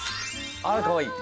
あらかわいい！